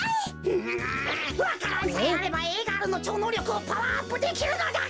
んんわか蘭さえあればＡガールのちょうのうりょくをパワーアップできるのだが！